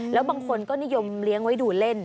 แล้วบางคนก็นิยมเลี้ยงไว้ดูเล่น